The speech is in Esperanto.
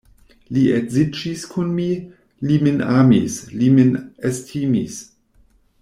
Li edziĝis kun mi, li min amis, li min estimis.